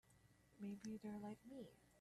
Maybe they're like me.